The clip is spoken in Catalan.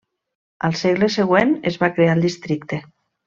Al segle següent es va crear el districte.